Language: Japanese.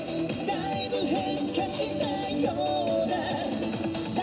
だいぶ変化したようだ